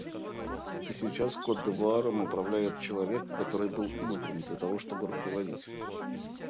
И сейчас Кот-д'Ивуаром управляет человек, который был избран, для того чтобы руководить.